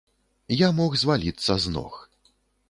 Я мог зваліцца з ног.